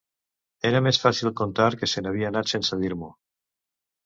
Era més fàcil contar que se n'havia anat sense dir-m'ho.